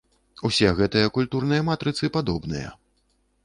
Усе гэтыя культурныя матрыцы падобныя.